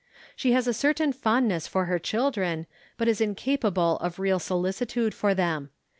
She has a certain fondness for her children, but is incapable of real solici tude for them.